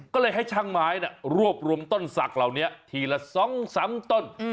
ก็เลยให้ช่างไม้รวบรวมต้นศักดิ์เหล่านี้ทีละ๒๓ต้น